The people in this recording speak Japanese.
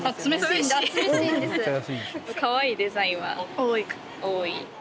かわいいデザインは多い。